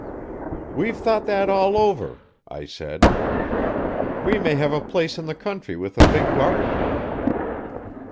'We've thought that all over,' I said. 'We may have a place in the country with a big garden.